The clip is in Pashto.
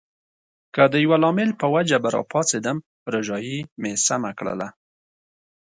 که د یوه لامل په وجه به راپاڅېدم، روژایې مې سمه کړله.